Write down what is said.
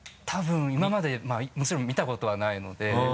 多分今までもちろん見たことはないので。